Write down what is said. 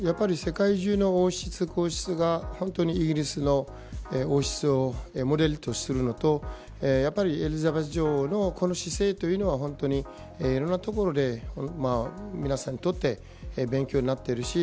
世界中にの王室皇室がイギリスの王室をモデルとするのとやっぱり、エリザベス女王のこの姿勢というのはいろんなところで皆さんにとって勉強になっているし